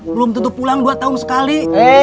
belum tentu pulang dua tahun sekali